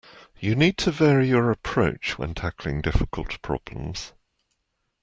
You need to vary your approach when tackling difficult problems.